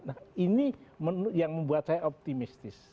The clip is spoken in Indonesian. nah ini yang membuat saya optimistis